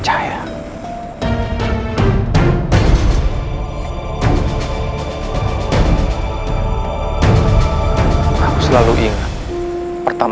nama aku subang larang